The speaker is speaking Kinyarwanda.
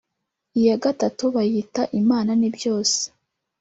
iya gatatu bayita Imana ni byose